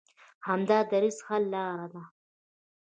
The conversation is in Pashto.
همدا دریځ حل لاره ده.